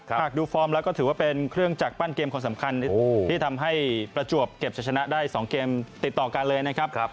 หากดูฟอร์มแล้วก็ถือว่าเป็นเครื่องจักรปั้นเกมคนสำคัญที่ทำให้ประจวบเก็บจะชนะได้๒เกมติดต่อกันเลยนะครับ